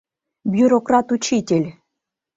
— Бюрократ учитель!